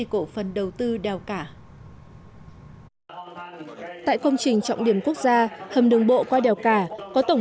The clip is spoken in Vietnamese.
hầm đường bộ qua đèo cả tại công trình trọng điểm quốc gia hầm đường bộ qua đèo cả có tổng